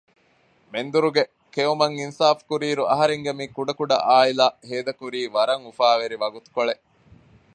މެންދުރުގެ ކެއުމަށް އިންސާފުކުރިއިރު އަހަރެންގެ މި ކުޑަކުޑަ އާއިލާ ހޭދަކުރީ ވަރަށް އުފާވެރި ވަގުތުކޮޅެއް